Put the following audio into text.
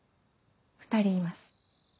２人います。